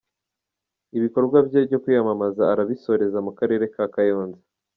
Ibikorwa bye byo kwiyamamaza arabisoreza mu Karere ka Kayonza.